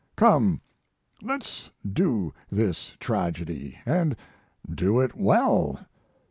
Come, let's do this tragedy, and do it well.